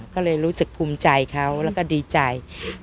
ก็เลยรู้สึกภูมิใจเขาแล้วก็ดีใจ